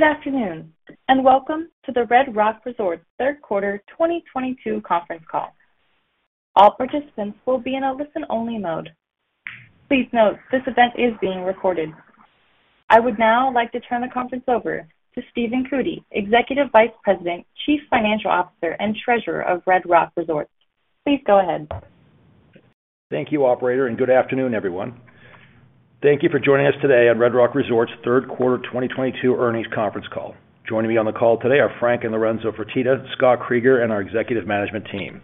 Good afternoon, and welcome to the Red Rock Resorts third quarter 2022 conference call. All participants will be in a listen-only mode. Please note this event is being recorded. I would now like to turn the conference over to Stephen Cootey, Executive Vice President, Chief Financial Officer, and Treasurer of Red Rock Resorts. Please go ahead. Thank you, operator, and good afternoon, everyone. Thank you for joining us today on Red Rock Resorts third quarter 2022 earnings conference call. Joining me on the call today are Frank Fertitta and Lorenzo Fertitta, Scott Kreeger, and our executive management team.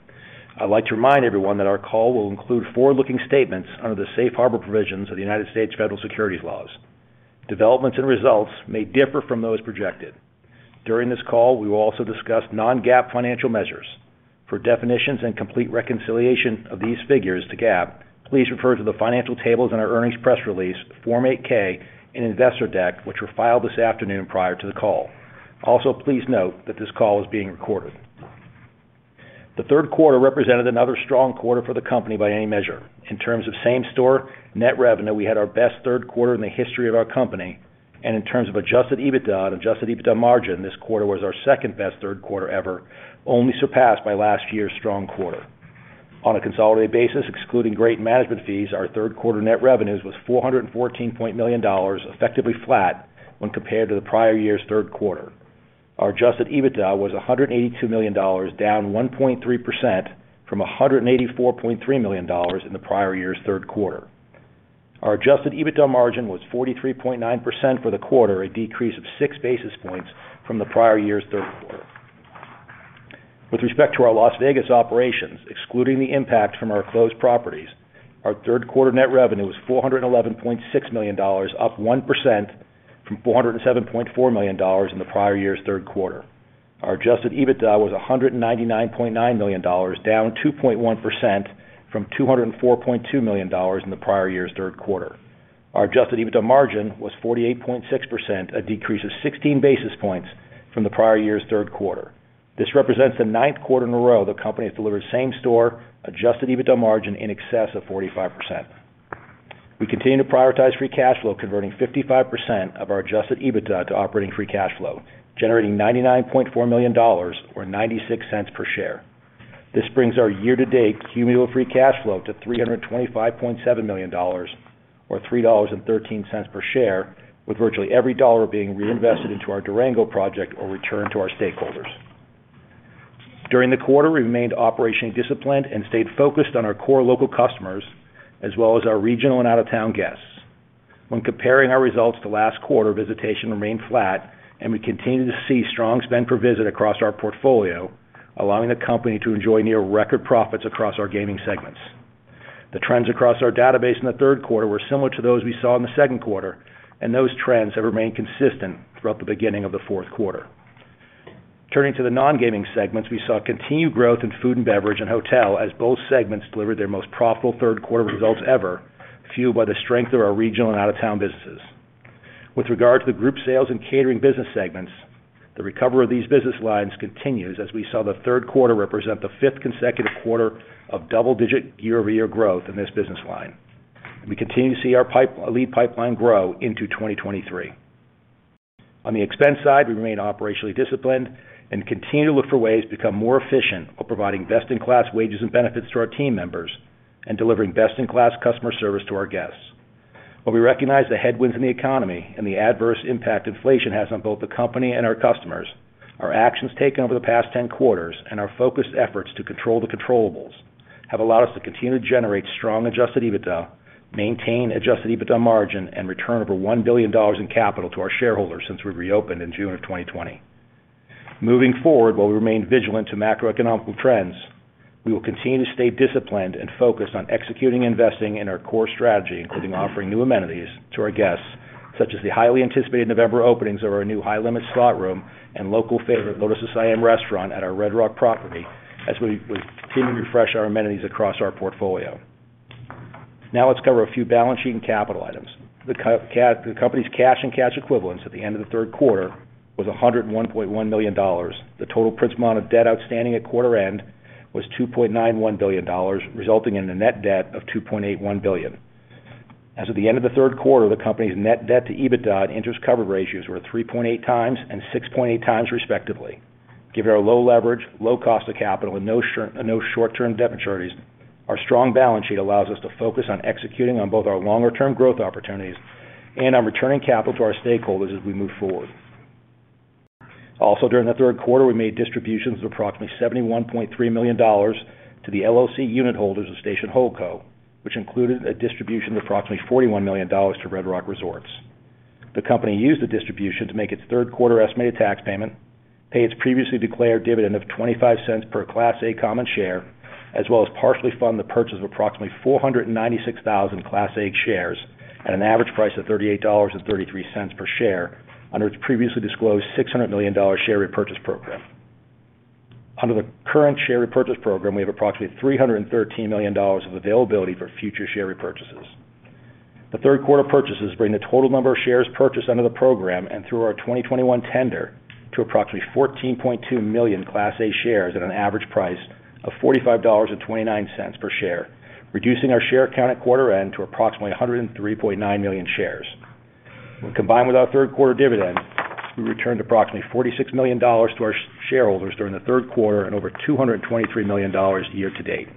I'd like to remind everyone that our call will include forward-looking statements under the Safe Harbor provisions of the United States federal securities laws. Developments and results may differ from those projected. During this call, we will also discuss non-GAAP financial measures. For definitions and complete reconciliation of these figures to GAAP, please refer to the financial tables in our earnings press release, Form 8-K, and investor deck, which were filed this afternoon prior to the call. Also, please note that this call is being recorded. The third quarter represented another strong quarter for the company by any measure. In terms of same-store net revenue, we had our best third quarter in the history of our company, and in terms of adjusted EBITDA and adjusted EBITDA margin, this quarter was our second-best third quarter ever, only surpassed by last year's strong quarter. On a consolidated basis, excluding gaming management fees, our third quarter net revenues was $414 million, effectively flat when compared to the prior year's third quarter. Our adjusted EBITDA was $182 million, down 1.3% from $184.3 million in the prior year's third quarter. Our adjusted EBITDA margin was 43.9% for the quarter, a decrease of six basis points from the prior year's third quarter. With respect to our Las Vegas operations, excluding the impact from our closed properties, our third quarter net revenue was $411.6 million, up 1% from $407.4 million in the prior year's third quarter. Our adjusted EBITDA was $199.9 million, down 2.1% from $204.2 million in the prior year's third quarter. Our adjusted EBITDA margin was 48.6%, a decrease of 16 basis points from the prior year's third quarter. This represents the ninth quarter in a row the company has delivered same-store adjusted EBITDA margin in excess of 45%. We continue to prioritize free cash flow, converting 55% of our adjusted EBITDA to operating free cash flow, generating $99.4 million or $0.96 per share. This brings our year-to-date cumulative free cash flow to $325.7 million or $3.13 per share, with virtually every dollar being reinvested into our Durango project or returned to our stakeholders. During the quarter, we remained operationally disciplined and stayed focused on our core local customers as well as our regional and out-of-town guests. When comparing our results to last quarter, visitation remained flat, and we continued to see strong spend per visit across our portfolio, allowing the company to enjoy near record profits across our gaming segments. The trends across our database in the third quarter were similar to those we saw in the second quarter, and those trends have remained consistent throughout the beginning of the fourth quarter. Turning to the non-gaming segments, we saw continued growth in food and beverage and hotel as both segments delivered their most profitable third quarter results ever, fueled by the strength of our regional and out-of-town businesses. With regard to the group sales and catering business segments, the recovery of these business lines continues as we saw the third quarter represent the fifth consecutive quarter of double-digit year-over-year growth in this business line. We continue to see our lead pipeline grow into 2023. On the expense side, we remain operationally disciplined and continue to look for ways to become more efficient while providing best-in-class wages and benefits to our team members and delivering best-in-class customer service to our guests. While we recognize the headwinds in the economy and the adverse impact inflation has on both the company and our customers, our actions taken over the past 10 quarters and our focused efforts to control the controllables have allowed us to continue to generate strong adjusted EBITDA, maintain adjusted EBITDA margin, and return over $1 billion in capital to our shareholders since we reopened in June of 2020. Moving forward, while we remain vigilant to macroeconomic trends, we will continue to stay disciplined and focused on executing and investing in our core strategy, including offering new amenities to our guests, such as the highly anticipated November openings of our new high-limit slot room and local favorite Lotus of Siam restaurant at our Red Rock property as we continue to refresh our amenities across our portfolio. Now let's cover a few balance sheet and capital items. The company's cash and cash equivalents at the end of the third quarter was $101.1 million. The total principal amount of debt outstanding at quarter end was $2.91 billion, resulting in a net debt of $2.81 billion. As of the end of the third quarter, the company's net debt to EBITDA and interest coverage ratios were 3.8 times and 6.8 times, respectively. Given our low leverage, low cost of capital, and no short-term debt maturities, our strong balance sheet allows us to focus on executing on both our longer-term growth opportunities and on returning capital to our stakeholders as we move forward. Also, during the third quarter, we made distributions of approximately $71.3 million to the LLC unit holders of Station Holdco, which included a distribution of approximately $41 million to Red Rock Resorts. The company used the distribution to make its third quarter estimated tax payment, pay its previously declared dividend of $0.25 per Class A common share, as well as partially fund the purchase of approximately 496,000 Class A shares at an average price of $38.33 per share under its previously disclosed $600 million share repurchase program. Under the current share repurchase program, we have approximately $313 million of availability for future share repurchases. The third quarter purchases bring the total number of shares purchased under the program and through our 2021 tender to approximately 14.2 million Class A shares at an average price of $45.29 per share. Reducing our share count at quarter end to approximately 103.9 million shares. When combined with our third quarter dividend, we returned approximately $46 million to our shareholders during the third quarter and over $223 million year to date.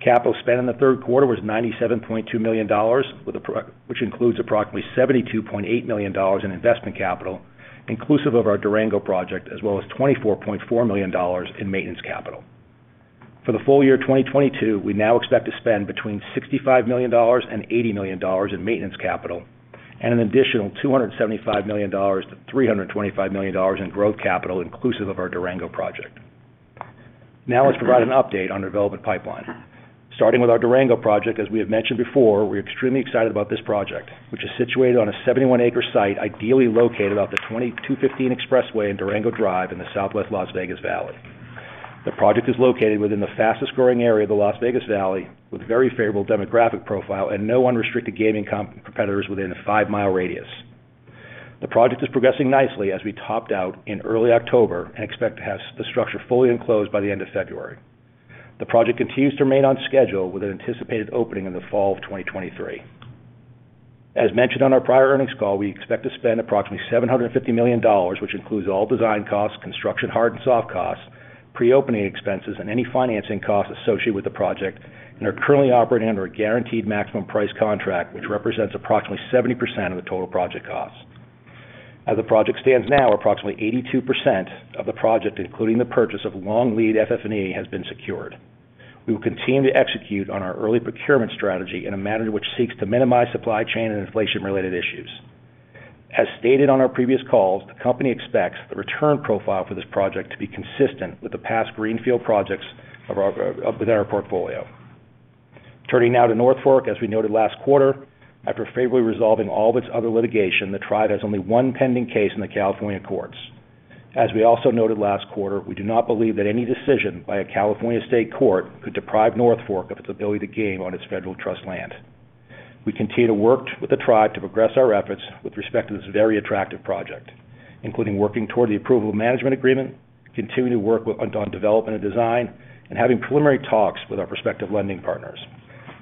Capital spend in the third quarter was $97.2 million, which includes approximately $72.8 million in investment capital, inclusive of our Durango project, as well as $24.4 million in maintenance capital. For the full year 2022, we now expect to spend between $65 million and $80 million in maintenance capital and an additional $275 million-$325 million in growth capital inclusive of our Durango project. Now let's provide an update on development pipeline. Starting with our Durango project, as we have mentioned before, we're extremely excited about this project, which is situated on a 71-acre site, ideally located off the 215 Expressway in Durango Drive in the southwest Las Vegas Valley. The project is located within the fastest-growing area of the Las Vegas Valley, with very favorable demographic profile and no unrestricted gaming competitors within a 5 mi radius. The project is progressing nicely as we topped out in early October and expect to have the structure fully enclosed by the end of February. The project continues to remain on schedule with an anticipated opening in the fall of 2023. As mentioned on our prior earnings call, we expect to spend approximately $750 million, which includes all design costs, construction hard and soft costs, pre-opening expenses, and any financing costs associated with the project, and are currently operating under a guaranteed maximum price contract, which represents approximately 70% of the total project cost. As the project stands now, approximately 82% of the project, including the purchase of long-lead FF&E, has been secured. We will continue to execute on our early procurement strategy in a manner which seeks to minimize supply chain and inflation-related issues. As stated on our previous calls, the company expects the return profile for this project to be consistent with the past greenfield projects within our portfolio. Turning now to North Fork. As we noted last quarter, after favorably resolving all of its other litigation, the tribe has only one pending case in the California courts. As we also noted last quarter, we do not believe that any decision by a California state court could deprive North Fork of its ability to game on its federal trust land. We continue to work with the tribe to progress our efforts with respect to this very attractive project, including working toward the approval of management agreement, continuing to work with, on development and design, and having preliminary talks with our prospective lending partners.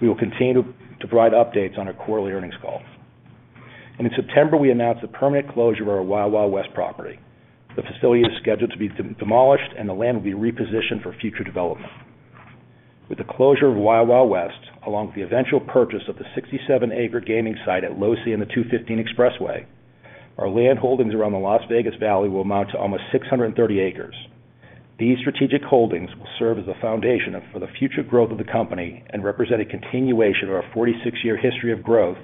We will continue to provide updates on our quarterly earnings calls. In September, we announced the permanent closure of our Wild Wild West property. The facility is scheduled to be demolished, and the land will be repositioned for future development. With the closure of Wild Wild West, along with the eventual purchase of the 67-acre gaming site at Losee and the 215 Expressway, our land holdings around the Las Vegas Valley will amount to almost 630 acres. These strategic holdings will serve as the foundation for the future growth of the company and represent a continuation of our 46-year history of growth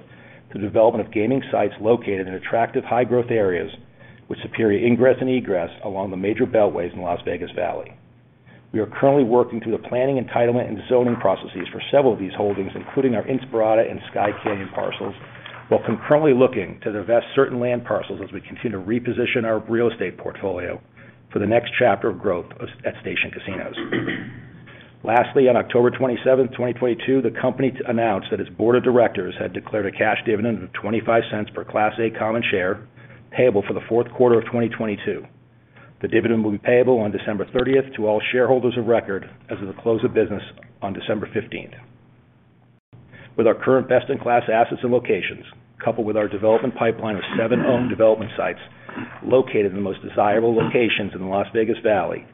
through development of gaming sites located in attractive high growth areas with superior ingress and egress along the major beltways in the Las Vegas Valley. We are currently working through the planning, entitlement, and zoning processes for several of these holdings, including our Inspirada and Skye Canyon parcels, while concurrently looking to divest certain land parcels as we continue to reposition our real estate portfolio for the next chapter of growth at Station Casinos. Lastly, on October 27, 2022, the company announced that its board of directors had declared a cash dividend of $0.25 per Class A common share payable for the fourth quarter of 2022. The dividend will be payable on December 30 to all shareholders of record as of the close of business on December 15. With our current best-in-class assets and locations, coupled with our development pipeline of seven owned development sites located in the most desirable locations in the Las Vegas Valley,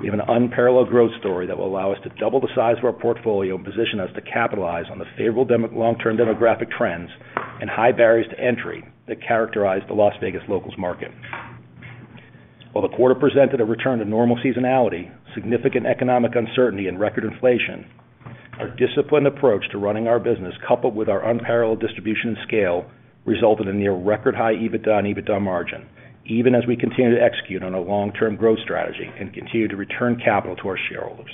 we have an unparalleled growth story that will allow us to double the size of our portfolio and position us to capitalize on the favorable long-term demographic trends and high barriers to entry that characterize the Las Vegas locals market. While the quarter presented a return to normal seasonality, significant economic uncertainty and record inflation, our disciplined approach to running our business, coupled with our unparalleled distribution and scale, resulted in near record high EBITDA and EBITDA margin, even as we continue to execute on a long-term growth strategy and continue to return capital to our shareholders.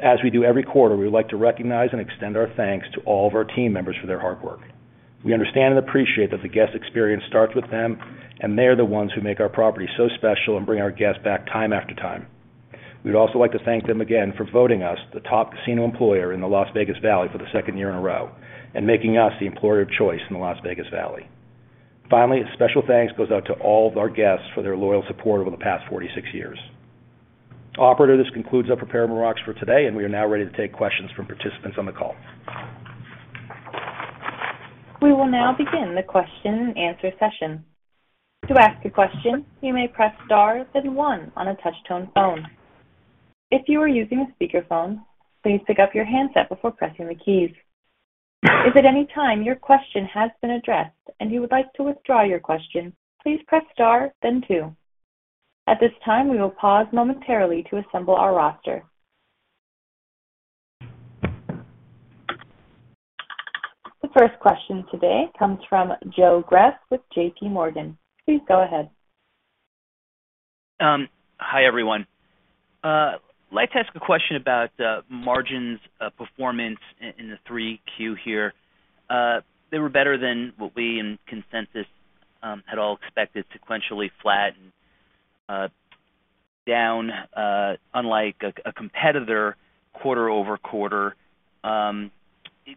As we do every quarter, we would like to recognize and extend our thanks to all of our team members for their hard work. We understand and appreciate that the guest experience starts with them, and they are the ones who make our property so special and bring our guests back time after time. We'd also like to thank them again for voting us the top casino employer in the Las Vegas Valley for the second year in a row and making us the employer of choice in the Las Vegas Valley. Finally, a special thanks goes out to all of our guests for their loyal support over the past 46 years. Operator, this concludes our prepared remarks for today, and we are now ready to take questions from participants on the call. We will now begin the question and answer session. To ask a question, you may press star then one on a touch-tone phone. If you are using a speakerphone, please pick up your handset before pressing the keys. If at any time your question has been addressed and you would like to withdraw your question, please press star then two. At this time, we will pause momentarily to assemble our roster. The first question today comes from Joseph Greff with JPMorgan. Please go ahead. Hi, everyone. Like to ask a question about margins performance in the 3Q here. They were better than what we and consensus had all expected, sequentially flat and down, unlike a competitor quarter-over-quarter.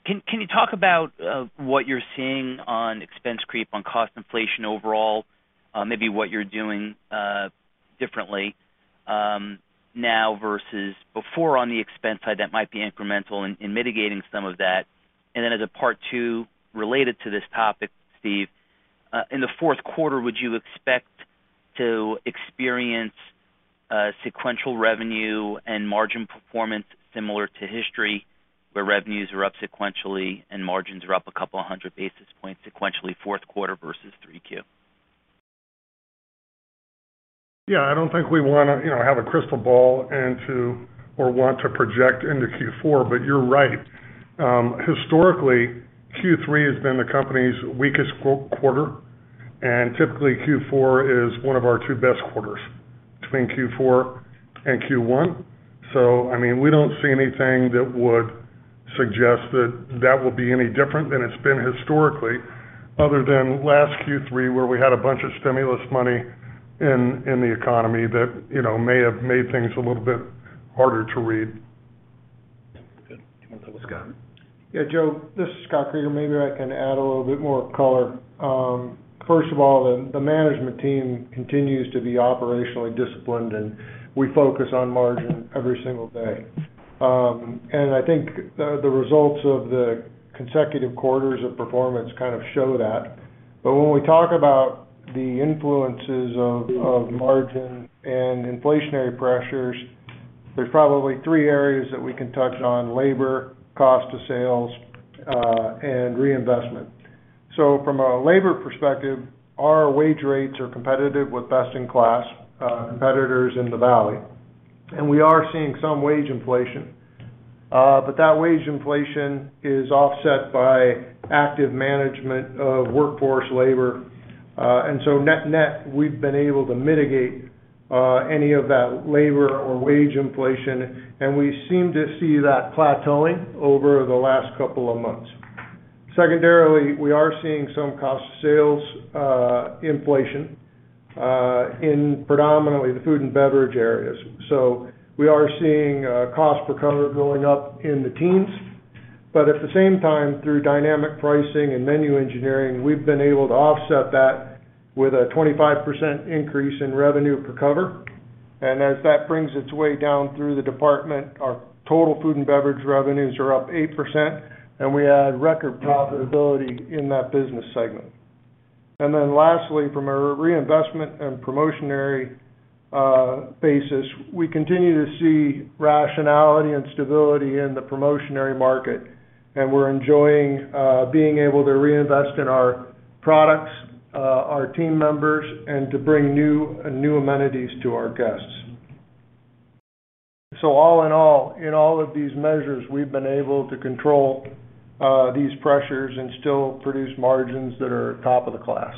Can you talk about what you're seeing on expense creep on cost inflation overall? Maybe what you're doing differently now versus before on the expense side that might be incremental in mitigating some of that. As a part two related to this topic, Steve, in the fourth quarter, would you expect to experience sequential revenue and margin performance similar to history where revenues are up sequentially and margins are up a couple of hundred basis points sequentially fourth quarter versus 3Q? Yeah. I don't think we wanna, you know, have a crystal ball and want to project into Q4, but you're right. Historically, Q3 has been the company's weakest quarter, and typically Q4 is one of our two best quarters between Q4 and Q1. I mean, we don't see anything that would suggest that that will be any different than it's been historically other than last Q3 where we had a bunch of stimulus money in the economy that, you know, may have made things a little bit harder to read. Good. Do you wanna take a shot? Yeah, Joe, this is Scott Kreeger. Maybe I can add a little bit more color. First of all, the management team continues to be operationally disciplined, and we focus on margin every single day. I think the results of the consecutive quarters of performance kind of show that. When we talk about the influences of margin and inflationary pressures, there's probably three areas that we can touch on, labor, cost of sales, and reinvestment. From a labor perspective, our wage rates are competitive with best-in-class competitors in the valley. We are seeing some wage inflation, but that wage inflation is offset by active management of workforce labor. net-net, we've been able to mitigate any of that labor or wage inflation, and we seem to see that plateauing over the last couple of months. Secondarily, we are seeing some cost of sales inflation in predominantly the food and beverage areas. we are seeing cost per cover going up in the teens. at the same time, through dynamic pricing and menu engineering, we've been able to offset that with a 25% increase in revenue per cover. as that brings its way down through the department, our total food and beverage revenues are up 8%, and we had record profitability in that business segment. lastly, from a reinvestment and promotional basis, we continue to see rationality and stability in the promotional market. We're enjoying being able to reinvest in our products, our team members and to bring new amenities to our guests. All in all, in all of these measures, we've been able to control these pressures and still produce margins that are top of the class.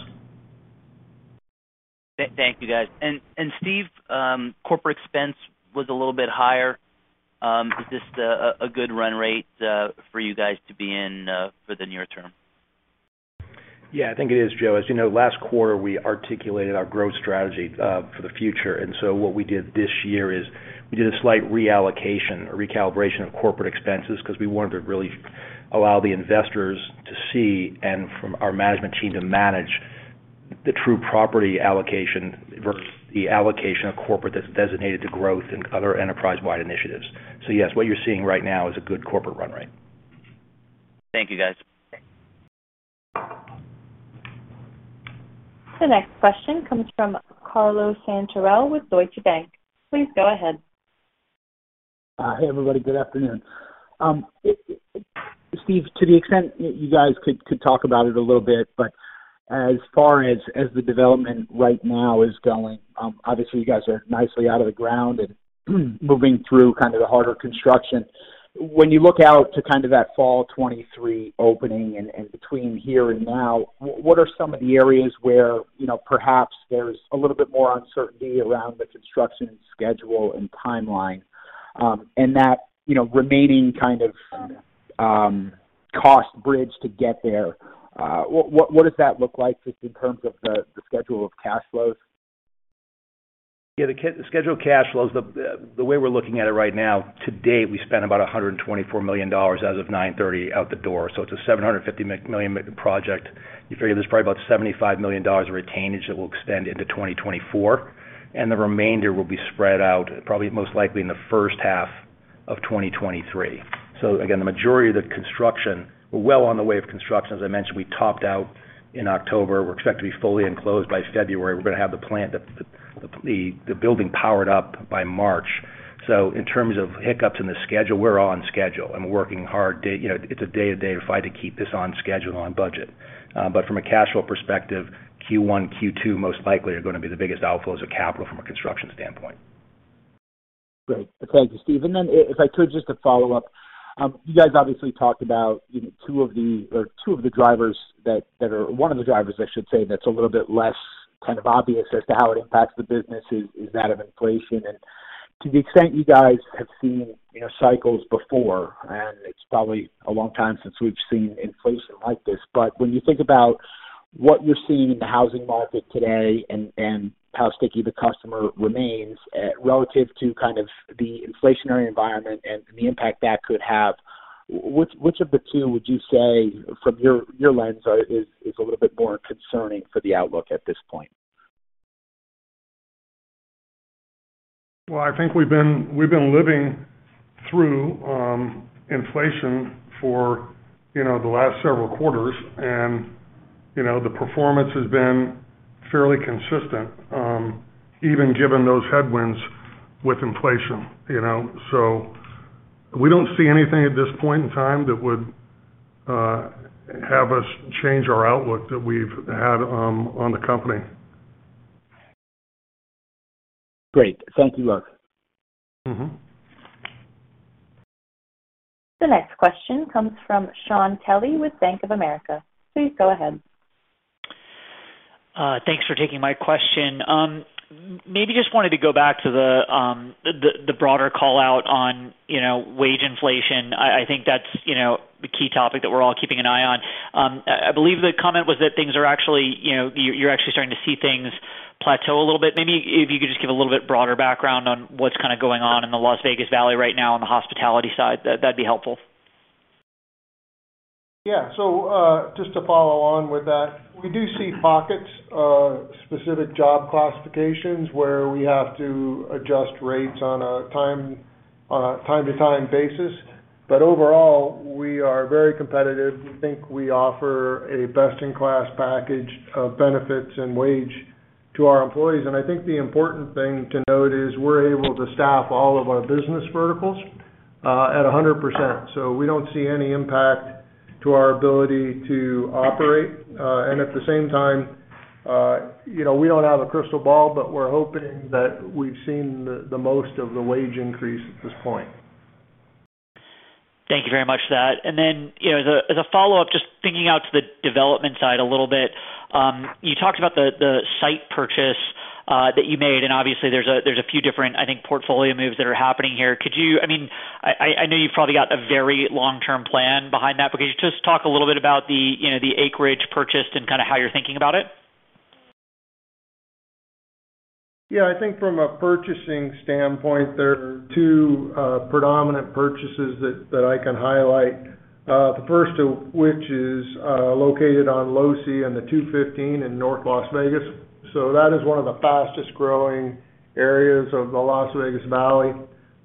Thank you, guys. Steve, corporate expense was a little bit higher. Is this a good run rate for you guys to be in for the near term? Yeah, I think it is, Joe. As you know, last quarter we articulated our growth strategy for the future. What we did this year is we did a slight reallocation or recalibration of corporate expenses because we wanted to really allow the investors to see and from our management team to manage the true property allocation versus the allocation of corporate that's designated to growth and other enterprise-wide initiatives. Yes, what you're seeing right now is a good corporate run rate. Thank you, guys. The next question comes from Carlo Santarelli with Deutsche Bank. Please go ahead. Hey, everybody. Good afternoon. Steve, to the extent you guys could talk about it a little bit, but as far as the development right now is going, obviously you guys are nicely out of the ground and moving through kind of the harder construction. When you look out to kind of that fall 2023 opening and between here and now, what are some of the areas where, you know, perhaps there's a little bit more uncertainty around the construction schedule and timeline, and that, you know, remaining kind of cost bridge to get there, what does that look like just in terms of the schedule of cash flows? Yeah. The schedule of cash flows, the way we're looking at it right now, to date we spent about $124 million as of 9/30 out the door. It's a $750 million project. You figure there's probably about $75 million retainage that will extend into 2024, and the remainder will be spread out probably most likely in the first half of 2023. The majority of the construction, we're well on the way of construction. As I mentioned, we topped out in October. We're expected to be fully enclosed by February. We're gonna have the building powered up by March. In terms of hiccups in the schedule, we're on schedule and working hard. You know, it's a day-to-day fight to keep this on schedule and on budget. From a cash flow perspective, Q1, Q2 most likely are gonna be the biggest outflows of capital from a construction standpoint. Great. Thank you, Steve. If I could just to follow up, you guys obviously talked about, you know, one of the drivers I should say that's a little bit less kind of obvious as to how it impacts the business is that of inflation. To the extent you guys have seen, you know, cycles before, and it's probably a long time since we've seen inflation like this. When you think about What you're seeing in the housing market today and how sticky the customer remains, relative to kind of the inflationary environment and the impact that could have, which of the two would you say from your lens is a little bit more concerning for the outlook at this point? Well, I think we've been living through inflation for, you know, the last several quarters and, you know, the performance has been fairly consistent, even given those headwinds with inflation, you know. We don't see anything at this point in time that would have us change our outlook that we've had on the company. Great. Thank you, guys. Mm-hmm. The next question comes from Shaun Kelley with Bank of America. Please go ahead. Thanks for taking my question. Maybe just wanted to go back to the broader call-out on, you know, wage inflation. I think that's, you know, the key topic that we're all keeping an eye on. I believe the comment was that things are actually, you know, you're actually starting to see things plateau a little bit. Maybe if you could just give a little bit broader background on what's kinda going on in the Las Vegas Valley right now on the hospitality side, that'd be helpful. Yeah. Just to follow on with that, we do see pockets of specific job classifications where we have to adjust rates on a time-to-time basis. But overall, we are very competitive. We think we offer a best-in-class package of benefits and wage to our employees. And I think the important thing to note is we're able to staff all of our business verticals at 100%. We don't see any impact to our ability to operate. And at the same time, you know, we don't have a crystal ball, but we're hoping that we've seen the most of the wage increase at this point. Thank you very much for that. Then, you know, as a follow-up, just thinking out to the development side a little bit, you talked about the site purchase that you made, and obviously there's a few different, I think, portfolio moves that are happening here. Could you, I mean, I know you've probably got a very long-term plan behind that, but could you just talk a little bit about the, you know, the acreage purchased and kinda how you're thinking about it? Yeah. I think from a purchasing standpoint, there are two predominant purchases that I can highlight, the first of which is located on Losee and the 215 in North Las Vegas. That is one of the fastest-growing areas of the Las Vegas Valley.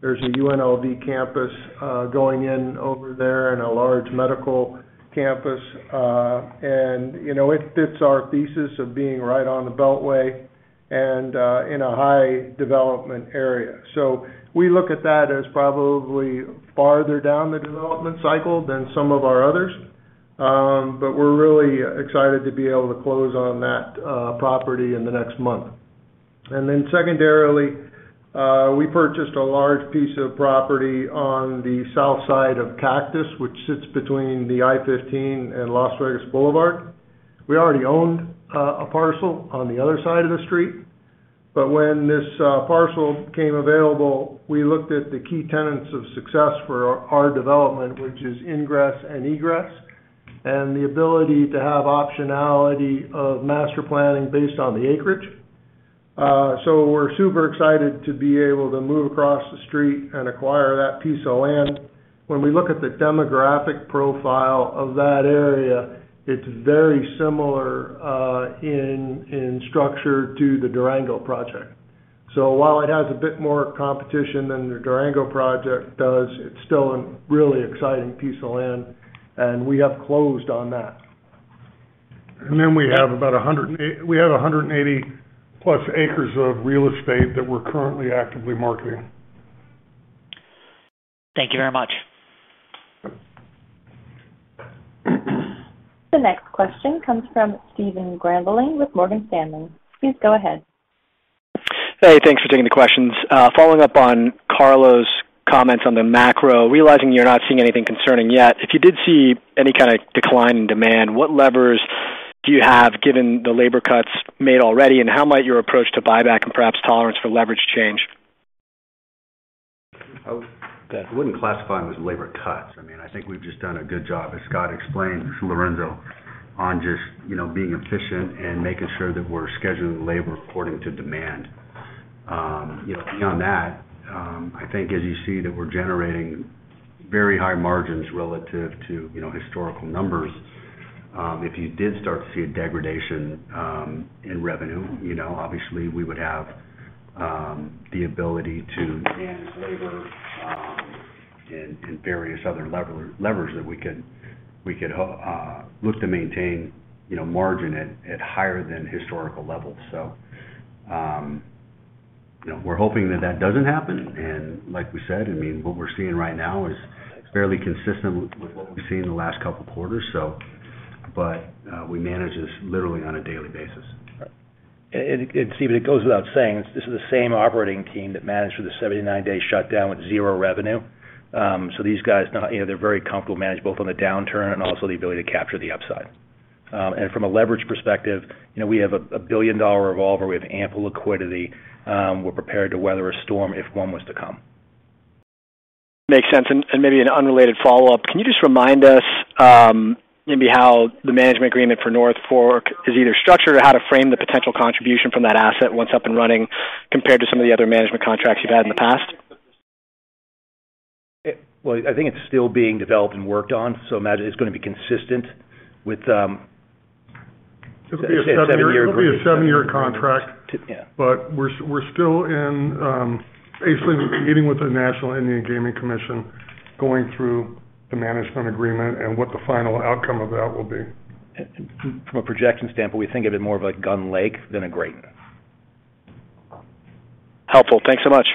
There's a UNLV campus going in over there and a large medical campus, and you know, it fits our thesis of being right on the beltway and in a high development area. We look at that as probably farther down the development cycle than some of our others. We're really excited to be able to close on that property in the next month. Secondarily, we purchased a large piece of property on the south side of Cactus, which sits between the I-15 and Las Vegas Boulevard. We already owned a parcel on the other side of the street. When this parcel became available, we looked at the key tenets of success for our development, which is ingress and egress, and the ability to have optionality of master planning based on the acreage. We're super excited to be able to move across the street and acquire that piece of land. When we look at the demographic profile of that area, it's very similar in structure to the Durango project. While it has a bit more competition than the Durango project does, it's still a really exciting piece of land, and we have closed on that. We have 180+ acres of real estate that we're currently actively marketing. Thank you very much. The next question comes from Steven Grambling with Morgan Stanley. Please go ahead. Hey, thanks for taking the questions. Following up on Carlo's comments on the macro, realizing you're not seeing anything concerning yet, if you did see any kinda decline in demand, what levers do you have given the labor cuts made already, and how might your approach to buyback and perhaps tolerance for leverage change? I wouldn't classify them as labor cuts. I mean, I think we've just done a good job, as Scott explained to Lorenzo, on just, you know, being efficient and making sure that we're scheduling labor according to demand. You know, beyond that, I think as you see that we're generating very high margins relative to, you know, historical numbers, if you did start to see a degradation in revenue, you know, obviously we would have the ability to adjust labor and various other levers that we could look to maintain, you know, margin at higher than historical levels. You know, we're hoping that that doesn't happen. Like we said, I mean, what we're seeing right now is fairly consistent with what we've seen in the last couple of quarters, so. We manage this literally on a daily basis. Steven, it goes without saying, this is the same operating team that managed through the 79-day shutdown with 0 revenue. These guys, you know, they're very comfortable managing both on the downturn and also the ability to capture the upside. From a leverage perspective, you know, we have a billion-dollar revolver. We have ample liquidity. We're prepared to weather a storm if one was to come. Makes sense. Maybe an unrelated follow-up. Can you just remind us, maybe how the management agreement for North Fork is either structured or how to frame the potential contribution from that asset once up and running compared to some of the other management contracts you've had in the past? Well, I think it's still being developed and worked on, so imagine it's gonna be consistent with, say a seven-year agreement. It'll be a seven-year contract. Yeah. We're still in basically meeting with the National Indian Gaming Commission, going through the management agreement and what the final outcome of that will be. From a projection standpoint, we think of it more of a Gun Lake than a Great. Helpful. Thanks so much.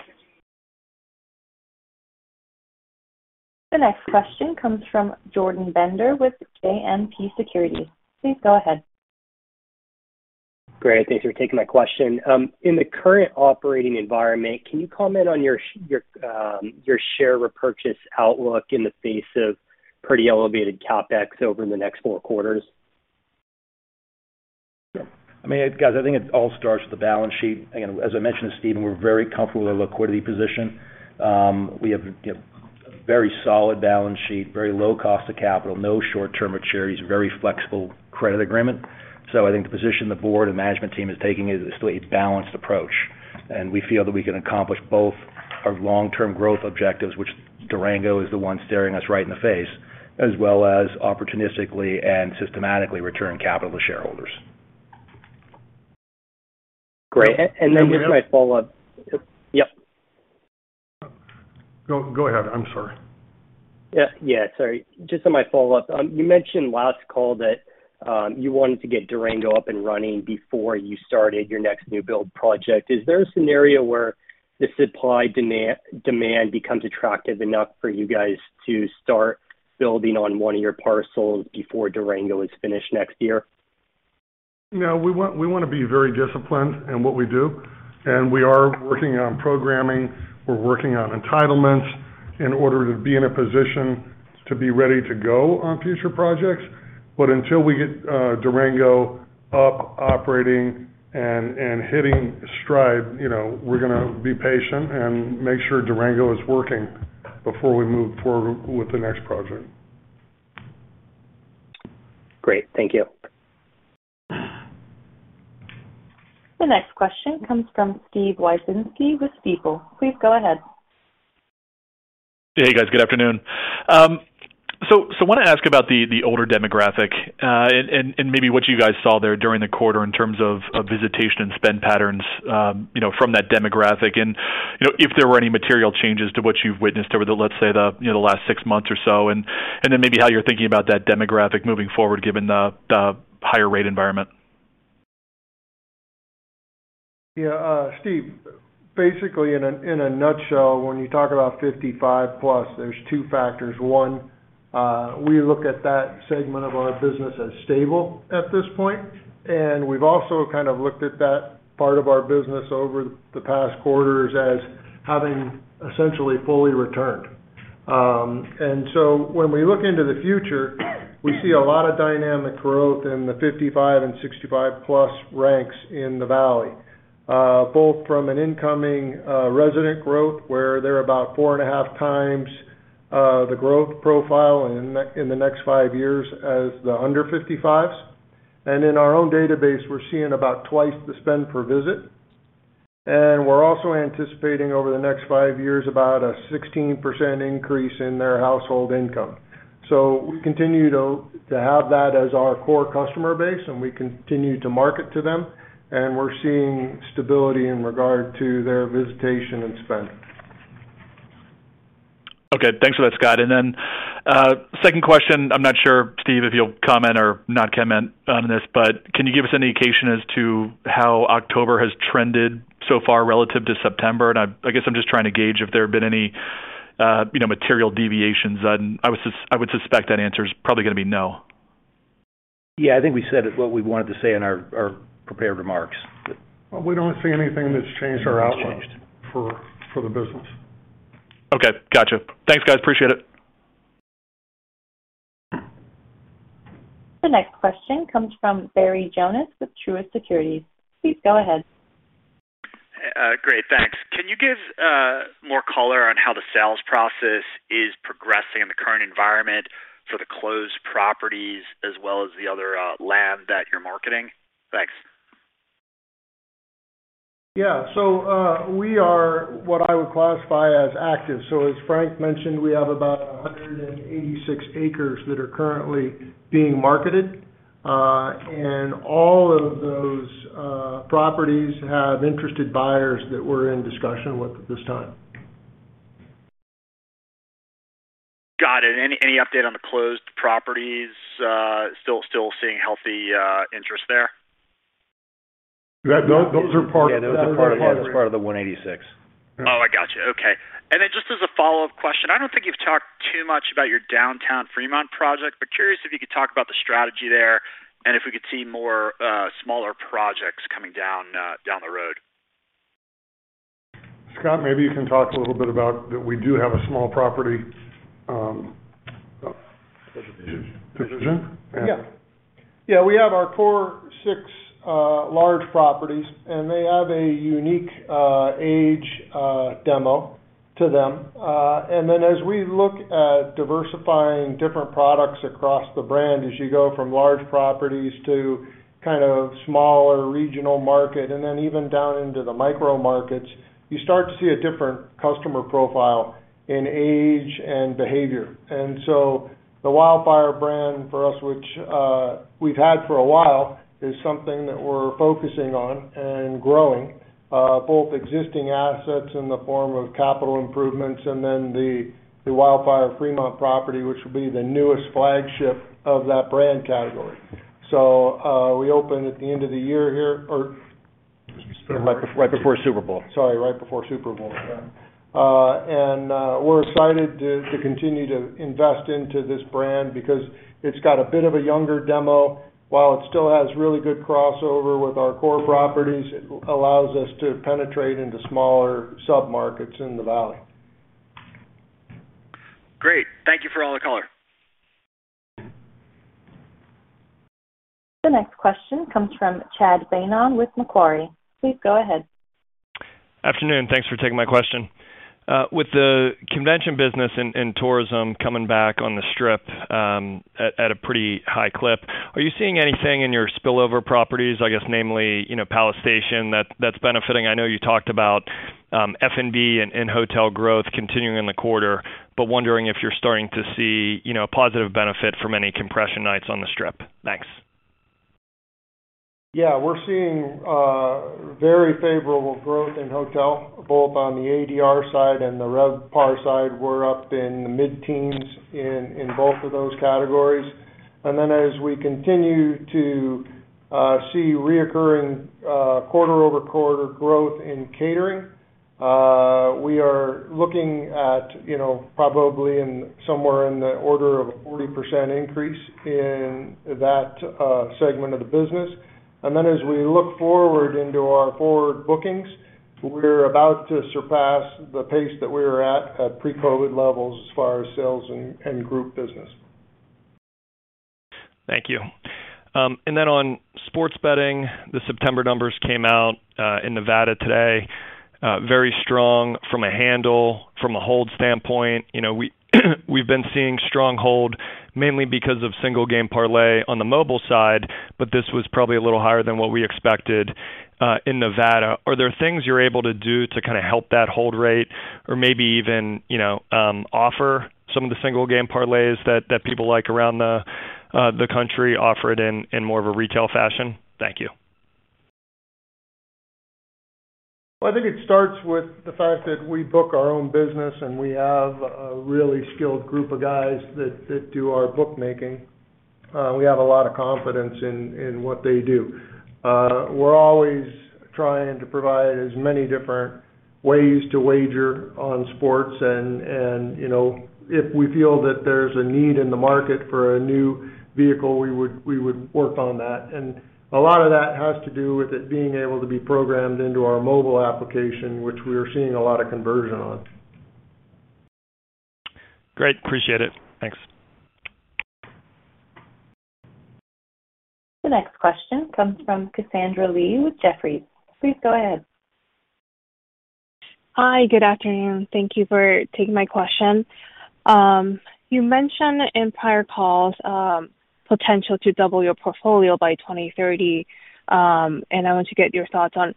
The next question comes from Jordan Bender with JMP Securities. Please go ahead. Great. Thanks for taking my question. In the current operating environment, can you comment on your share repurchase outlook in the face of pretty elevated CapEx over the next four quarters? I mean, guys, I think it all starts with the balance sheet. Again, as I mentioned to Steven, we're very comfortable with our liquidity position. We have, you know, a very solid balance sheet, very low cost of capital, no short-term maturities, very flexible credit agreement. I think the position the board and management team is taking is a balanced approach, and we feel that we can accomplish both our long-term growth objectives, which Durango is the one staring us right in the face, as well as opportunistically and systematically return capital to shareholders. Great. Just my follow-up. Yep. Go ahead. I'm sorry. Yeah. Yeah. Sorry. Just on my follow-up, you mentioned last call that you wanted to get Durango up and running before you started your next new build project. Is there a scenario where the supply-demand becomes attractive enough for you guys to start building on one of your parcels before Durango is finished next year? No. We want, we wanna be very disciplined in what we do, and we are working on programming, we're working on entitlements in order to be in a position to be ready to go on future projects. But until we get Durango up operating and hitting stride, you know, we're gonna be patient and make sure Durango is working before we move forward with the next project. Great. Thank you. The next question comes from Steven Wieczynski with Stifel. Please go ahead. Hey, guys. Good afternoon. Wanna ask about the older demographic and maybe what you guys saw there during the quarter in terms of visitation and spend patterns, you know, from that demographic and, you know, if there were any material changes to what you've witnessed over the, let's say the, you know, the last six months or so, and then maybe how you're thinking about that demographic moving forward given the higher rate environment. Steve, basically in a nutshell, when you talk about 55+, there's 2 factors. 1, we look at that segment of our business as stable at this point, and we've also kind of looked at that part of our business over the past quarters as having essentially fully returned. When we look into the future, we see a lot of dynamic growth in the 55+ and 65+ ranks in the valley, both from an incoming resident growth, where they're about 4.5x the growth profile in the next five years as the under 55s. In our own database, we're seeing about 2x the spend per visit. We're also anticipating over the next five years about a 16% increase in their household income. We continue to have that as our core customer base, and we continue to market to them, and we're seeing stability in regard to their visitation and spend. Okay. Thanks for that, Scott. Second question, I'm not sure, Steve, if you'll comment or not comment on this, but can you give us an indication as to how October has trended so far relative to September? I guess I'm just trying to gauge if there have been any, you know, material deviations. I would suspect that answer's probably gonna be no. Yeah. I think we said what we wanted to say in our prepared remarks. We don't see anything that's changed our outlook. Has changed. for the business. Okay. Gotcha. Thanks, guys. Appreciate it. The next question comes from Barry Jonas with Truist Securities. Please go ahead. Great, thanks. Can you give more color on how the sales process is progressing in the current environment for the closed properties as well as the other land that you're marketing? Thanks. Yeah. We are what I would classify as active. As Frank mentioned, we have about 186 acres that are currently being marketed, and all of those properties have interested buyers that we're in discussion with at this time. Got it. Any update on the closed properties, still seeing healthy interest there? Those are part. Those are part of the 186. Oh, I gotcha. Okay. Just as a follow-up question, I don't think you've talked too much about your downtown Fremont project, but curious if you could talk about the strategy there and if we could see more, smaller projects coming down the road? Scott, maybe you can talk a little bit about that we do have a small property. Yeah, we have our core six large properties, and they have a unique age demo to them. Then as we look at diversifying different products across the brand, as you go from large properties to kind of smaller regional market and then even down into the micro markets, you start to see a different customer profile in age and behavior. The Wildfire brand for us, which we've had for a while, is something that we're focusing on and growing both existing assets in the form of capital improvements and then the Wildfire Fremont property, which will be the newest flagship of that brand category. We open at the end of the year here. Right, right before Super Bowl. Sorry, right before Super Bowl. We're excited to continue to invest into this brand because it's got a bit of a younger demo while it still has really good crossover with our core properties. It allows us to penetrate into smaller sub-markets in the valley. Great. Thank you for all the color. The next question comes from Chad Beynon with Macquarie. Please go ahead. Afternoon, thanks for taking my question. With the convention business and tourism coming back on the Strip at a pretty high clip, are you seeing anything in your spillover properties, I guess, namely, you know, Palace Station that's benefiting? I know you talked about F&B and hotel growth continuing in the quarter, but wondering if you're starting to see, you know, a positive benefit from any compression nights on the Strip. Thanks. Yeah. We're seeing very favorable growth in hotel, both on the ADR side and the RevPAR side. We're up in the mid-teens in both of those categories. Then as we continue to see recurring quarter-over-quarter growth in catering, we are looking at, you know, probably somewhere in the order of a 40% increase in that segment of the business. Then as we look forward into our forward bookings, we're about to surpass the pace that we were at pre-COVID levels as far as sales and group business. Thank you. On sports betting, the September numbers came out in Nevada today, very strong from a handle, from a hold standpoint. You know, we've been seeing strong hold mainly because of single game parlay on the mobile side, but this was probably a little higher than what we expected in Nevada. Are there things you're able to do to kinda help that hold rate or maybe even, you know, offer some of the single game parlays that people like around the country offer it in more of a retail fashion? Thank you. Well, I think it starts with the fact that we book our own business, and we have a really skilled group of guys that do our bookmaking. We have a lot of confidence in what they do. We're always trying to provide as many different ways to wager on sports and you know, if we feel that there's a need in the market for a new vehicle, we would work on that. A lot of that has to do with it being able to be programmed into our mobile application, which we are seeing a lot of conversion on. Great. Appreciate it. Thanks. The next question comes from Cassandra Lee with Jefferies. Please go ahead. Hi. Good afternoon. Thank you for taking my question. You mentioned in prior calls potential to double your portfolio by 2030, and I want to get your thoughts on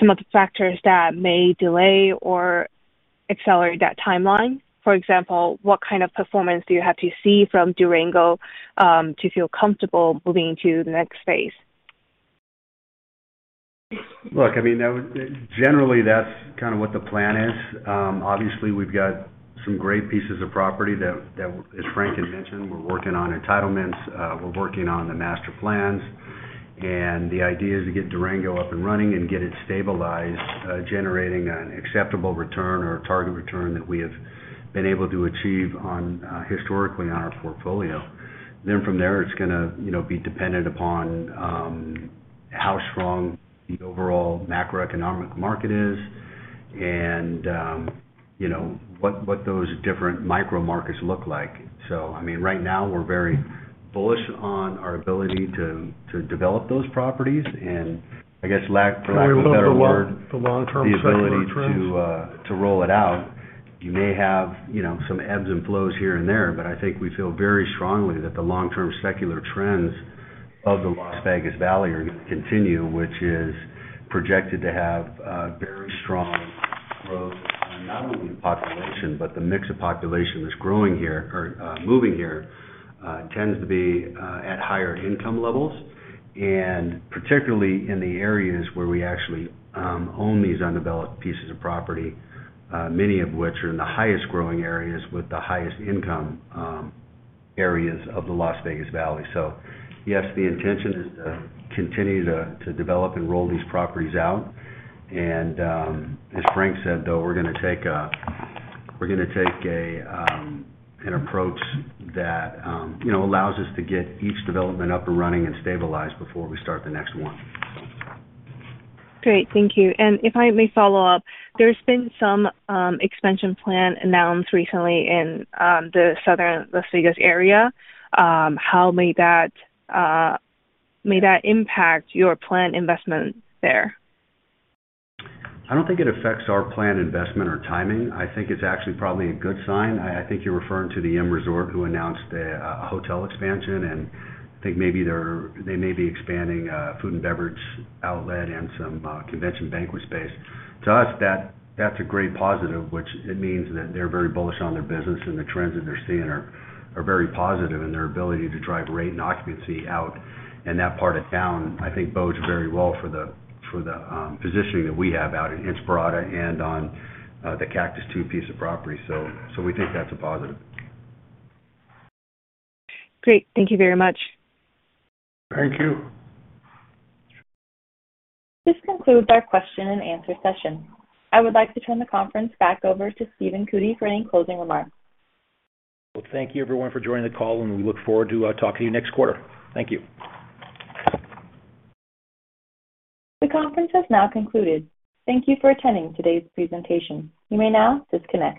some of the factors that may delay or accelerate that timeline. For example, what kind of performance do you have to see from Durango to feel comfortable moving to the next phase? Look, I mean, generally, that's kinda what the plan is. Obviously, we've got some great pieces of property that, as Frank had mentioned, we're working on entitlements, we're working on the master plans, and the idea is to get Durango up and running and get it stabilized, generating an acceptable return or target return that we have been able to achieve on, historically on our portfolio. From there, it's gonna, you know, be dependent upon, how strong the overall macroeconomic market is and, you know, what those different micro markets look like. I mean, right now, we're very bullish on our ability to develop those properties and I guess, for lack of a better word. The long-term secular trends. The ability to roll it out. You may have, you know, some ebbs and flows here and there, but I think we feel very strongly that the long-term secular trends of the Las Vegas Valley are gonna continue, which is projected to have very strong growth on not only the population, but the mix of population that's growing here or moving here tends to be at higher income levels and particularly in the areas where we actually own these undeveloped pieces of property, many of which are in the highest growing areas with the highest income areas of the Las Vegas Valley. Yes, the intention is to continue to develop and roll these properties out and, as Frank said, though, we're gonna take an approach that, you know, allows us to get each development up and running and stabilized before we start the next one. Great. Thank you. If I may follow up, there's been some expansion plan announced recently in the southern Las Vegas area. How may that impact your planned investment there? I don't think it affects our planned investment or timing. I think it's actually probably a good sign. I think you're referring to the M Resort who announced a hotel expansion, and I think maybe they may be expanding food and beverage outlet and some convention banquet space. To us, that's a great positive, which it means that they're very bullish on their business and the trends that they're seeing are very positive and their ability to drive rate and occupancy out and that part of town, I think bodes very well for the positioning that we have out at Inspirada and on the Cactus two piece of property. We think that's a positive. Great. Thank you very much. Thank you. This concludes our question and answer session. I would like to turn the conference back over to Stephen Cootey for any closing remarks. Well, thank you everyone for joining the call, and we look forward to talking to you next quarter. Thank you. The conference has now concluded. Thank you for attending today's presentation. You may now disconnect.